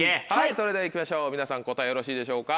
それでは行きましょう皆さん答えよろしいでしょうか。